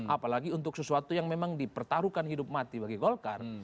apalagi untuk sesuatu yang memang dipertaruhkan hidup mati bagi golkar